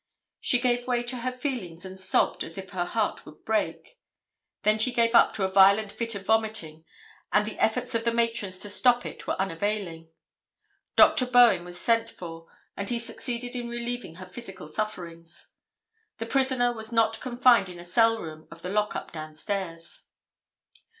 She gave way to her feelings and sobbed as if her heart would break. Then she gave up to a violent fit of vomiting and the efforts of the matrons to stop it were unavailing. Dr. Bowen was sent for and he succeeded in relieving her physical sufferings. The prisoner was not confined in a cell room of the lockup down stairs.